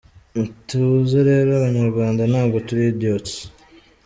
Mutuze rero abanyarwanda ntabwo turi idiots.